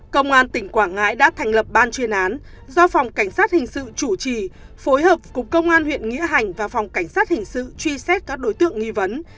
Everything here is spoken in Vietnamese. công an tỉnh quảng ngãi đã thành lập ban chuyên án do phòng cảnh sát hình sự chủ trì phối hợp cùng công an huyện nghĩa hành và phòng cảnh sát hình sự truy xét các đối tượng nghi vấn